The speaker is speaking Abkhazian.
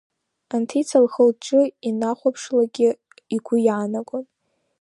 Анҭица лхы-лҿы инахәаԥшлакгьы игәы иаанагон…